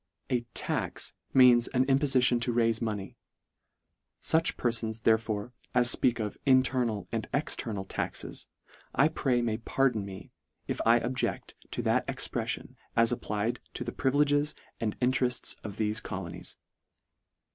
A " tax " means an impofition to raife money. Such perfons therefore as fpeak of internal and external " taxes," I pray may pardon me, if I objed: to that expreffion as applied to the privileges and interefts of thefe colonies.